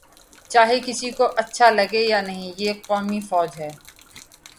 چاہے کسی کو اچھا لگے یا نہیں، یہ قومی فوج ہے۔